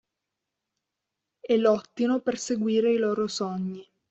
E lottino per seguire i loro sogni.